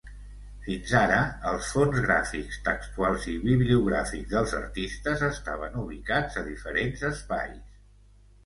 Fins ara, els fons gràfics, textuals i bibliogràfics dels artistes estaven ubicats a diferents espais.